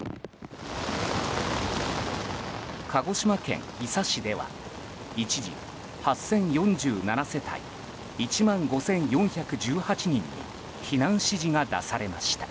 鹿児島県伊佐市では一時８０４７世帯１万５４１８人に避難指示が出されました。